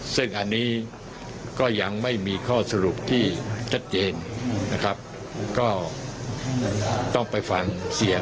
ซึ่งอันนี้ก็ยังไม่มีข้อสรุปที่ชัดเจนนะครับก็ต้องไปฟังเสียง